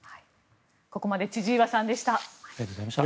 ここまで千々岩さんでした。